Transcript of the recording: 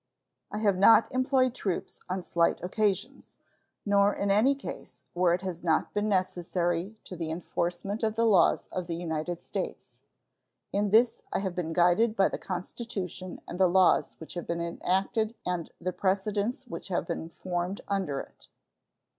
I have not employed troops on slight occasions, nor in any case where it has not been necessary to the enforcement of the laws of the United States. In this I have been guided by the Constitution and the laws which have been enacted and the precedents which have been formed under it.